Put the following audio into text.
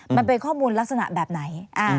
มันเป็นข้อมูลลักษณะแบบไหน